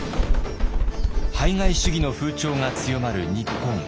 排外主義の風潮が強まる日本。